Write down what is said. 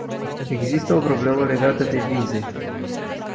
Există o problemă legată de vize.